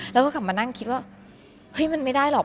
แล้วก็กลับมานั่งคิดว่าเฮ้ยมันไม่ได้หรอก